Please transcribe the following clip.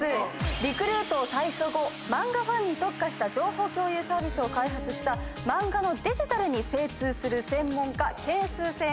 リクルートを退職後漫画ファンに特化した情報共有サービスを開発した漫画のデジタルに精通する専門家けん